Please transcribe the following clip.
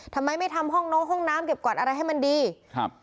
ทำไมไม่ทำห้องน้องห้องน้ำเก็บกวาดอะไรให้มันดีครับ